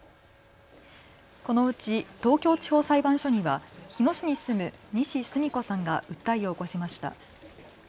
このうち東京地方裁判所には日野市に住む西スミ子さんが訴えを起こしました。